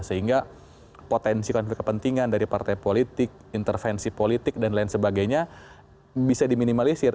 sehingga potensi konflik kepentingan dari partai politik intervensi politik dan lain sebagainya bisa diminimalisir